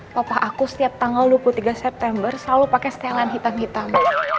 papa aku setiap tanggal dua puluh tiga september selalu pakai setelan hitam hitam